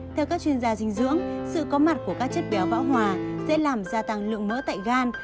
theo các chuyên gia dinh dưỡng sự có mặt của các chất béo bão hòa sẽ làm gia tăng lượng mỡ tại gan